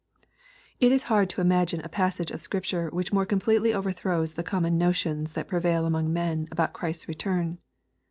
It is hard to imagine a passage of Scripture which more completely overthrows the common notions that prevail among men about Christ's return.